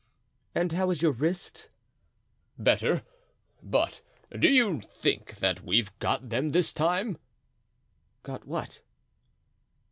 "And how is your wrist?" "Better; but do you think that we've got them this time?" "Got what?"